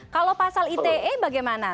kalau pasal ite bagaimana